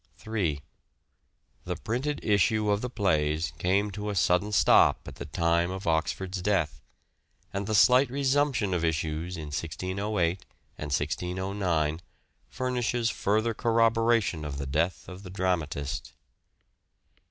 3. The printed issue of the plays came to a sudden stop at the time of Oxford's death, and the slight resumption of issues in 1608 and 1609 furnishes further corroboration of the death of the dramatist.